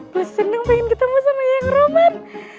gue seneng pengen ketemu sama yang roman